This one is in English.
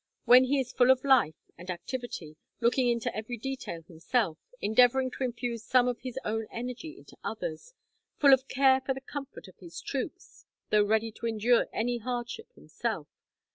Then he is full of life and activity, looking into every detail himself, endeavouring to infuse some of his own energy into others, full of care for the comfort of his troops, though ready to endure any hardship himself.